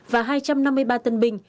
và hai trăm năm mươi ba tân binh